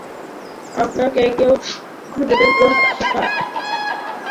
আপনাকে কেউ খুঁজে বের করুক, সেটা।